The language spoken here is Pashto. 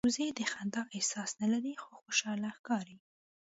وزې د خندا احساس نه لري خو خوشاله ښکاري